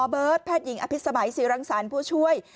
เบิร์ตแพทย์หญิงอภิษมัยศรีรังสรรค์ผู้ช่วย